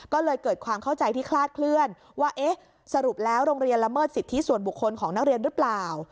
ก็เลยเกิดความเข้าใจที่คลาดเคลื่อนว่าเอ๊ะสรุปแล้วโรงเรียนละเมิดสิทธิส่วนบุคคลของนักเรียนหรือเปล่า